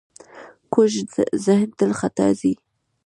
کوږ ذهن تل خطا ځي